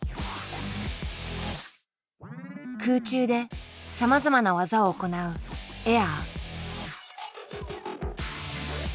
空中でさまざまな技を行うエア。